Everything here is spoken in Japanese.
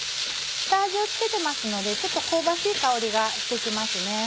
下味を付けてますのでちょっと香ばしい香りがして来ます。